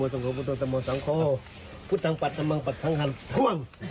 โอเคเดี๋ยว